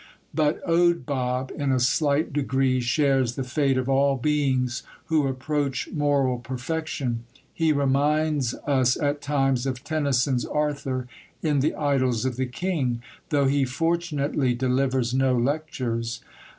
But Owd Bob in a slight degree shares the fate of all beings who approach moral perfection. He reminds us at times of Tennyson's Arthur in the Idylls of the King, though he fortunately delivers no lectures.